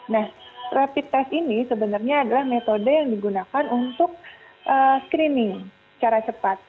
nah rapid test ini sebenarnya adalah metode yang digunakan untuk screening secara cepat